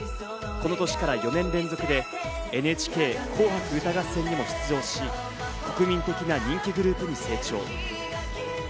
この年から４年連続でＮＨＫ『紅白歌合戦』にも出場し、国民的な人気グループに成長。